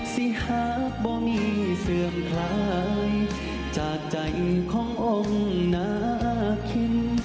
สิหากบ่มีเสื่อมคลายจากใจขององค์นาคิน